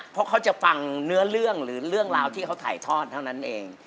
เพราะเขาจะฟังเนื้อเรื่องหรือเรื่องราวที่เขาถ่ายทอดเท่านั้นเอง